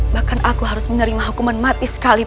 bahkan aku harus menerima hukuman mati sekalipun